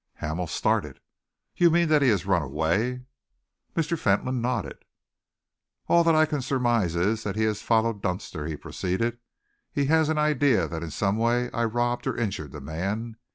Hamel started. "You mean that he has run away?" Mr. Fentolin nodded. "All that I can surmise is that he has followed Dunster," he proceeded. "He has an idea that in some way I robbed or injured the man.